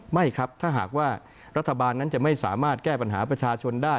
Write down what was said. ไม่ครับถ้าหากว่ารัฐบาลนั้นจะไม่สามารถแก้ปัญหาประชาชนได้